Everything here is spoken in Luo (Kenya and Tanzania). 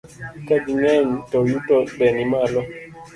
Ka ging'eny to yuto be nimalo,